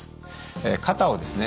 肩をですね